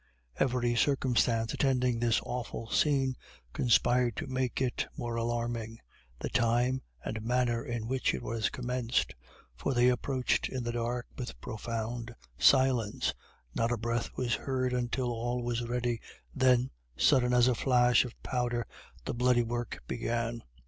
Every circumstance attending this awful scene, conspired to make it more alarming the time and manner in which it was commenced for they approached in the dark with profound silence not a breath was heard until all was ready, then, sudden as a flash of powder, the bloody work began.